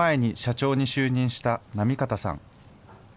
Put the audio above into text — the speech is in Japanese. ２年前に社長に就任した行方さん。